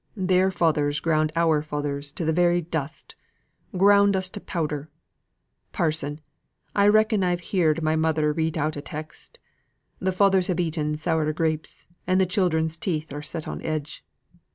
Their fathers ground our fathers to the very dust; ground us to powder! Parson! I reckon I've heerd my mother read out a text, 'The fathers have eaten sour grapes, and th' chidren's teeth are set on edge.